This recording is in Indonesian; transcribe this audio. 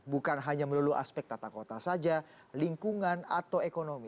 bukan hanya melalui aspek tata kota saja lingkungan atau ekonomi